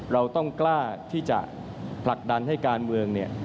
เราต้องกล้าที่จะผลักดันให้การเมืองเนี่ย